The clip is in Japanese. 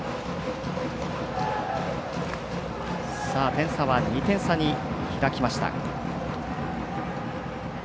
点差は２点差に開きました。